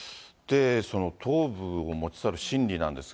頭部を持ち去る心理なんですが。